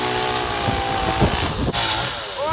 สวัสดีครับคุณผู้ชาย